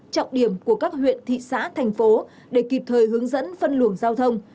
trọng điểm của các huyện thị xã thành phố để kịp thời hướng dẫn phân luồng giao thông